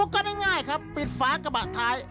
ก็ง่ายครับปิดฝากระบะท้าย